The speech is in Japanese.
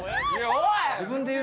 おい！